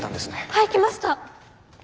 はい来ました！